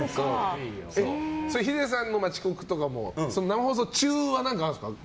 ヒデさん、遅刻の他も生放送中は何かあるんですか？